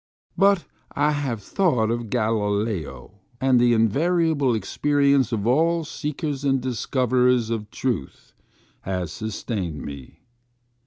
But I have thought of Galileo, and the invariable experience of all seekers and discoverers of truth has sustained me.